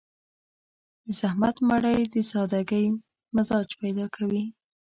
د زحمت مړۍ د سادهګي مزاج پيدا کوي.